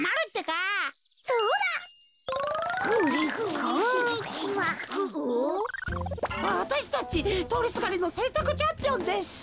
わたしたちとおりすがりのせんたくチャンピオンです。